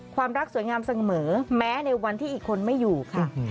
ความรักสวยงามเสมอแม้ในวันที่อีกคนไม่อยู่ค่ะ